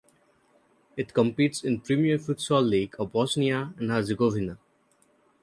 It competes in Premier Futsal League of Bosnia and Herzegovina.